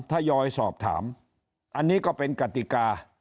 ทยอยสอบถามอันนี้ก็เป็นกติกา